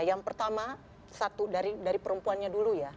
yang pertama satu dari perempuannya dulu ya